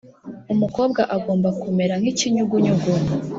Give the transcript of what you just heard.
umukobwa agomba kumera nk'ikinyugunyugu